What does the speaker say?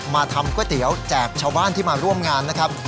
ทำก๋วยเตี๋ยวแจกชาวบ้านที่มาร่วมงานนะครับ